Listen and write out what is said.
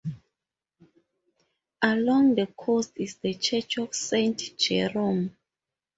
Along the coast is the church of Saint Jerome.